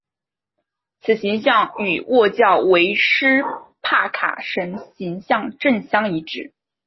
此形象与祆教维施帕卡神形像正相一致。